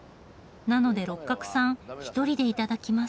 なので六角さん一人で頂きます。